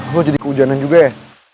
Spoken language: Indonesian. lo jadi keujanan juga ya